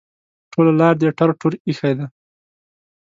ټوله لار دې ټر ټور ایښی ده.